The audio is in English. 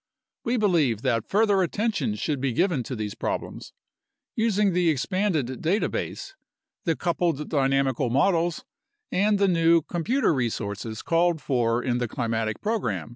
We believe that further attention should be given to these problems, using the expanded data base, the coupled dynamical models, and the new computer resources called for in the climatic program.